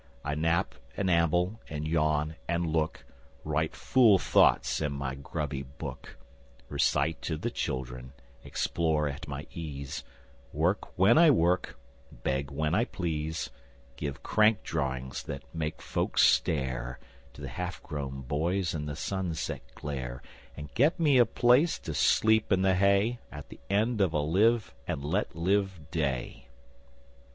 I nap and amble and yawn and look, Write fool thoughts in my grubby book, Recite to the children, explore at my ease, Work when I work, beg when I please, Give crank drawings, that make folks stare To the half grown boys in the sunset glare, And get me a place to sleep in the hay At the end of a live and let live day.